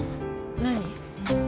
何？